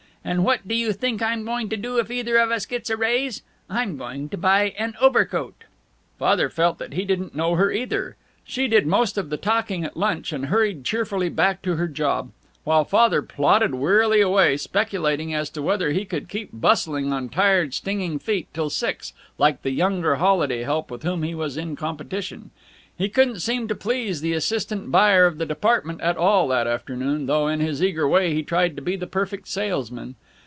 And what do you think I'm going to do if either of us gets a raise? I'm going to buy you an overcoat!" Father felt that he didn't know her, either. She did most of the talking at lunch, and hurried cheerfully back to her job, while Father plodded wearily away, speculating as to whether he could keep bustling on tired, stinging feet till six, like the younger holiday help with whom he was in competition. He couldn't seem to please the assistant buyer of the department at all, that afternoon, though in his eager way he tried to be the perfect salesman.